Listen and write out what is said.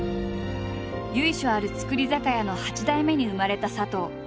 由緒ある造り酒屋の８代目に生まれた佐藤。